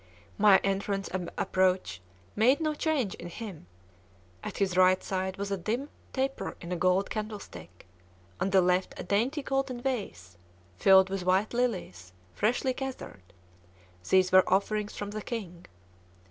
My entrance and approach made no change in him. At his right side was a dim taper in a gold candlestick; on the left a dainty golden vase, filled with white lilies, freshly gathered: these were offerings from the king.